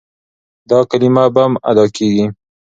دا کلمه بم ادا کېږي.